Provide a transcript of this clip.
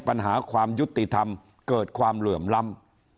ปัญหาความยุติธรรมเกิดความเหลื่อมล้ำ